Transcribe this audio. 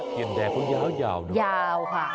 เทียนแดงก็ยาวยาวค่ะ